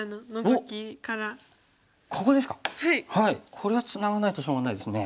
これはツナがないとしょうがないですね。